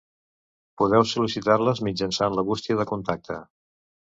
Podeu sol·licitar-les mitjançant la bústia de contacte.